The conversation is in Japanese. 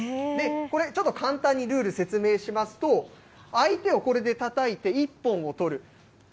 これ、ちょっと簡単にルール説明しますと、相手をこれでたたいて１本を取る。